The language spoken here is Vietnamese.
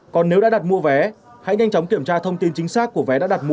còn nếu đã đặt mua vé hãy nhanh chóng kiểm tra thông tin chính xác của vé đã đặt mua